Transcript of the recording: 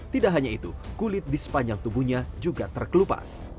tidak hanya itu kulit di sepanjang tubuhnya juga terkelupas